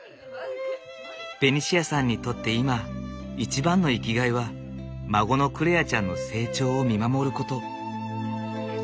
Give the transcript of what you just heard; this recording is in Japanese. ベニシアさんにとって今一番の生きがいは孫の來愛ちゃんの成長を見守ること。